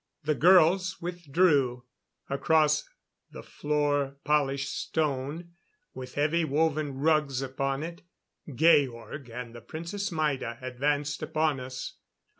The girls withdrew. Across the floor polished stone, with heavy woven rugs upon it Georg and the Princess Maida advanced upon us.